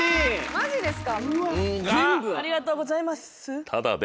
マジですか？